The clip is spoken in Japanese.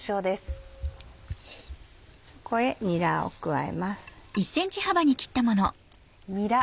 そこへにらを加えます。